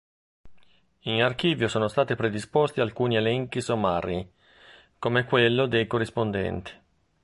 In archivio sono stati predisposti alcuni elenchi sommari, come quello dei corrispondenti.